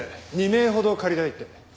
２名ほど借りたいって。